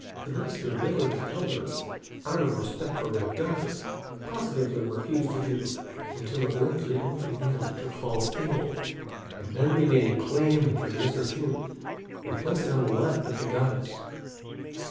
This the village elders, out of respect for their Goddess, positively refused to do; until at length they all began to fall ill, and then they made a clay image of Mr. Chin, and placed it on the left of the Goddess.